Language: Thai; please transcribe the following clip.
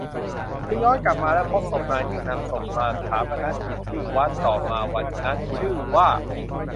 จึงย้อนกลับมาและพบศพนางจึงนำศพมาฌาปนกิจที่วัดต่อมาวันนั้นชื่อว่า